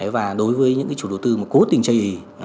và đối với những chủ đầu tư mà cố tình cháy